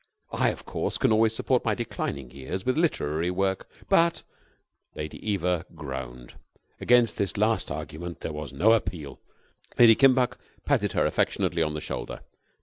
I, of course, can always support my declining years with literary work, but " Lady Eva groaned. Against this last argument there was no appeal. Lady Kimbuck patted her affectionately on the shoulder.